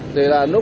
thì là lúc ấy